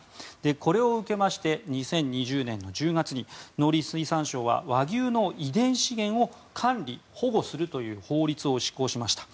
これを受けまして２０２０年の１０月に農林水産省は和牛の遺伝資源を管理・保護するという法律を施行しました。